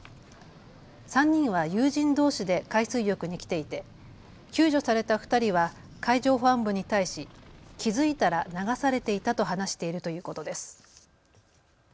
３人は友人どうしで海水浴に来ていて救助された２人は海上保安部に対し、気付いたら流されていたと話しているということです。